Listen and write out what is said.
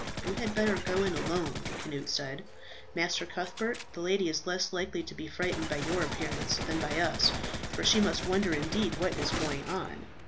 "You had better go in alone," Cnut said, "Master Cuthbert. The lady is less likely to be frightened by your appearance than by us, for she must wonder indeed what is going on."